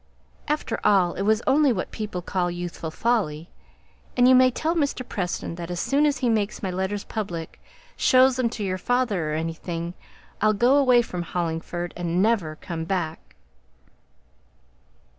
After all, it was only what people call 'youthful folly.' And you may tell Mr. Preston that as soon as he makes my letters public, shows them to your father or anything, I'll go away from Hollingford, and never come back."